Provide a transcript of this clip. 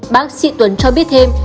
bác sĩ tuấn cho biết thêm